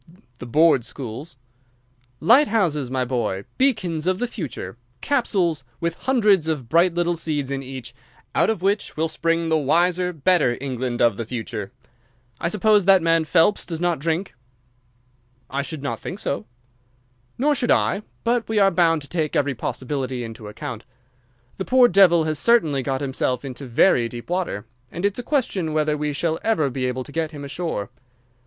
"The board schools." "Light houses, my boy! Beacons of the future! Capsules with hundreds of bright little seeds in each, out of which will spring the wise, better England of the future. I suppose that man Phelps does not drink?" "I should not think so." "Nor should I, but we are bound to take every possibility into account. The poor devil has certainly got himself into very deep water, and it's a question whether we shall ever be able to get him ashore.